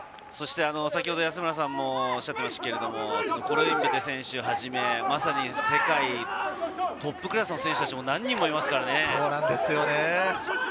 そして先ほど、安村さんもおっしゃっていましたけど、コロインベテ選手をはじめ、まさに世界トップクラスの選手たちも何人もいますからね。